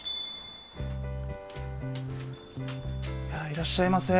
いらっしゃいませ。